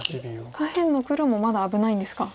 下辺の黒もまだ危ないんですか。